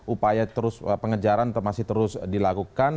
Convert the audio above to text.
upaya terus pengejaran masih terus dilakukan